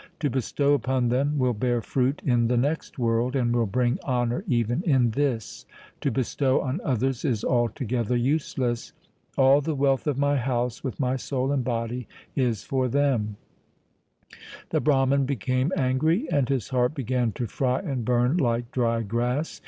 To bestow upon them will bear fruit in the next world and will bring honour even in this : to bestow on others is altogether useless. All the wealth of my house with my soul and body is for them. The Brahman became angry and his heart began to fry and burn like dry grass.